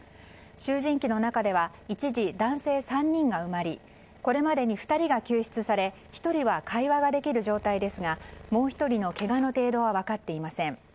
集じん機の中では一時男性３人が埋まりこれまでに２人が救出され１人は会話ができる状態ですがもう１人のけがの程度は分かっていません。